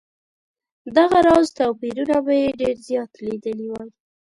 دغه راز توپیرونه به یې ډېر زیات لیدلي وای.